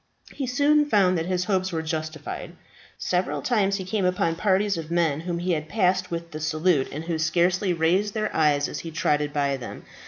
He soon found that his hopes were justified. Several times he came upon parties of men whom he passed with the salute, and who scarcely raised their eyes as he trotted by them.